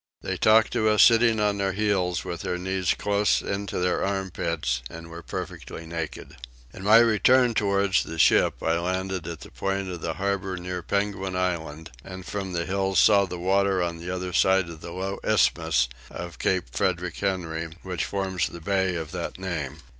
They talked to us sitting on their heels with their knees close into their armpits and were perfectly naked. In my return towards the ship I landed at the point of the harbour near Penguin Island, and from the hills saw the water on the other side of the low isthmus of Cape Frederick Henry, which forms the bay of that name.